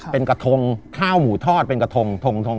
เป็นกระทงข้าวหมูทอดเป็นกระทงทง